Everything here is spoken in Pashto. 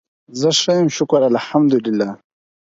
زه ښه یم شکر الحمدالله